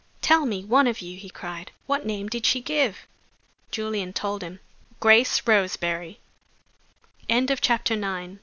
"Tell me, one of you!" he cried. "What name did she give?" Julian told him. "GRACE ROSEBERRY." CHAPTER X. A